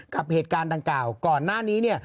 กับเหตุการณ์ดังกล่าวก่อนหน้านี้เนี่ย